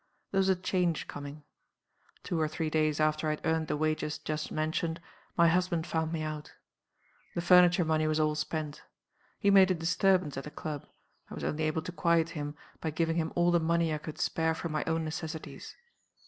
There was a change coming. Two or three days after I had earned the wages just mentioned my husband found me out. The furniture money was all spent. He made a disturbance at the club, I was only able to quiet him by giving him all the money I could spare from my own necessities.